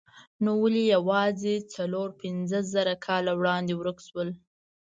نو ولې یوازې څلور پنځه زره کاله وړاندې ورک شول؟